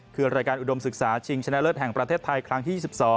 คือรายการอุดมศึกษาชิงชนะเลิศแห่งประเทศไทยครั้งที่๒๒